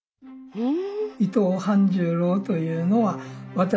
へえ。